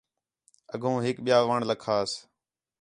اڳوں ہِک ٻِیا وݨ لَکھاس